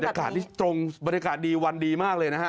อากาศนี้ตรงบรรยากาศดีวันดีมากเลยนะฮะ